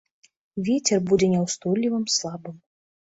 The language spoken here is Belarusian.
Вецер будзе няўстойлівым, слабым.